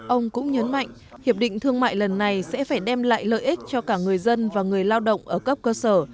ông cũng nhấn mạnh hiệp định thương mại lần này sẽ phải đem lại lợi ích cho cả người dân và người lao động ở cấp cơ sở